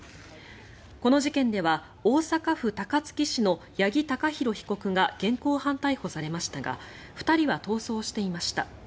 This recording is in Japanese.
この事件では大阪府高槻市の八木貴寛被告が現行犯逮捕されましたが２人は逃走していました。